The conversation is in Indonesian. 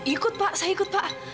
ikut pak saya ikut pak